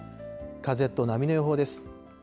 風と波の予報です。